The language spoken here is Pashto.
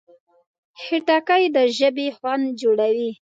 خټکی د ژبې خوند جوړوي.